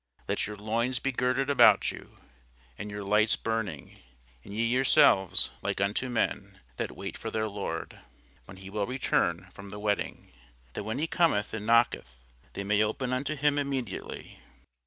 Let your loins be girded about, and your lights burning; and ye yourselves like unto men that wait for their lord, when he will return from the wedding; that when he cometh and knocketh, they may open unto him immediately.